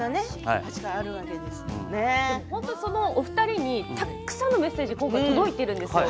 お二人にたくさんのメッセージ今回届いているんですよ